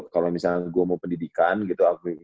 kalo misalnya gue mau pendidikan gitu